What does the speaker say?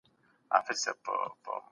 دا خط اوږد دئ.